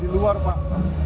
di luar pak